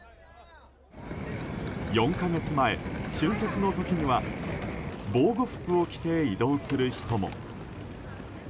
４か月前、春節の時には防護服を着て移動する人も。